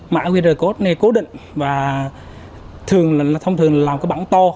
mã qr code này cố định và thông thường là một cái bảng to